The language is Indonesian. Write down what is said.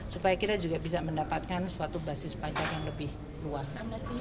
supaya kita juga bisa mendapatkan suatu basis pajak yang lebih luas